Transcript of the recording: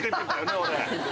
俺。